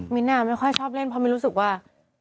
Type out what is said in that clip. ไม่ค่อยชอบเล่นเพราะมิ้นรู้สึกว่า